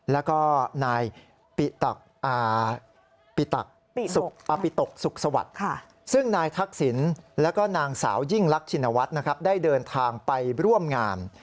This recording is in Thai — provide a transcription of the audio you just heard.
แล้วก็นายปิตกสุขสวัสดิ์ซึ่งนายทักษิณแล้วก็นางสาวยิ่งลักชินวัฒน์นะครับได้เดินทางไปร่วมงาน